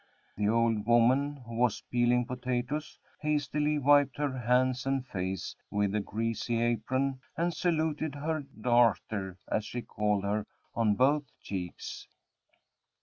The old woman, who was peeling potatoes, hastily wiped her hands and face with a greasy apron, and saluted her "darter," as she called her, on both cheeks.